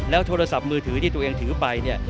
โทรศัพท์มือถือที่ตัวเองถือไปเนี่ย